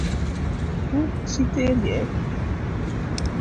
Hoe sitearje ik?